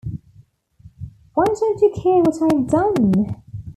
Why don't you care what I've done?